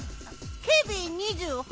ＫＢ−２８？